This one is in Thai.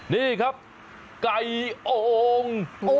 นี่ครับไก่โอ่ง